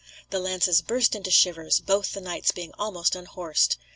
The lances burst into shivers, both the knights being almost unhorsed.